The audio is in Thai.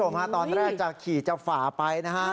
โอ้คุณสมภาพตอนแรกจะขี่จับฝ่าไปนะฮะ